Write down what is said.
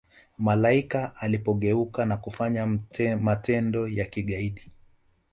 malaika alipogeuka na kufanya matendo ya kigaidi